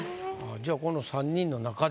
じゃあこの三人の中で。